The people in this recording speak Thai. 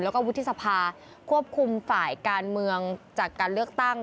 แล้วก็วุฒิสภาควบคุมฝ่ายการเมืองจากการเลือกตั้ง